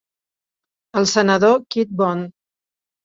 El senador Kid Bond.